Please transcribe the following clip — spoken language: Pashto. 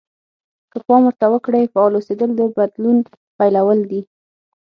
که پام ورته وکړئ فعال اوسېدل د بدلون پيلول دي.